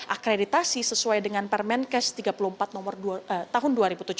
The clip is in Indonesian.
akreditasi sesuai dengan permenkes tiga puluh empat tahun dua ribu tujuh belas